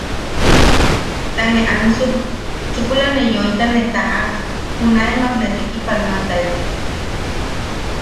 Ta ne ansuk, chukula ne yoita ne tataʼak junaemak ne tekipanoataitek.